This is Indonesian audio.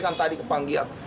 saya kan tadi kepanggian